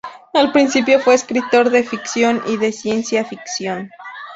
Al principio fue escritor de ficción y de ciencia ficción.